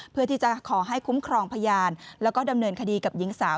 เพื่อที่จะขอให้คุ้มครองพยานแล้วก็ดำเนินคดีกับหญิงสาว